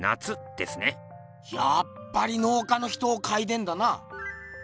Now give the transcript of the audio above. やっぱり農家の人を描いてんだな。